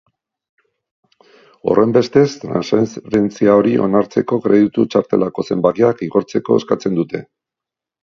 Horrenbestez, transferentzia hori onartzeko kreditu txartelako zenbakiak igortzeko eskatzen dute.